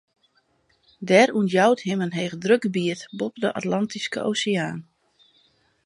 Der ûntjout him in hegedrukgebiet boppe de Atlantyske Oseaan.